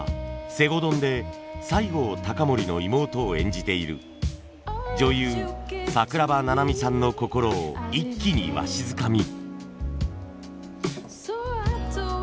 「西郷どん」で西郷隆盛の妹を演じている女優桜庭ななみさんの心を一気にわしづかみ。